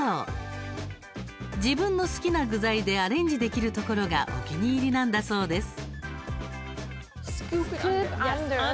自分の好きな具材でアレンジできるところがお気に入りなんだそうです。